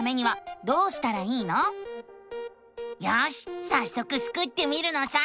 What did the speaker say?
よしさっそくスクってみるのさ！